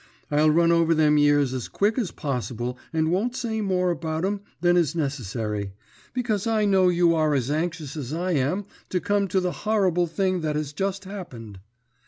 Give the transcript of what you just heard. I'll run over them years as quick as possible, and won't say more about e'm than is necessary, because I know you are as anxious as I am to come to the horrible thing that has just happened.